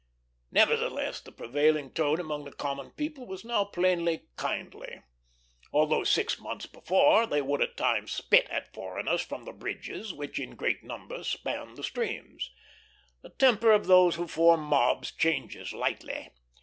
Nevertheless, the prevailing tone among the common people was now plainly kindly, although six months before they would at times spit at foreigners from the bridges which in great numbers span the streams. The temper of those who form mobs changes lightly.